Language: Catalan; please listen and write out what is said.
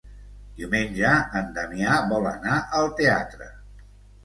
Diumenge en Damià vol anar al teatre.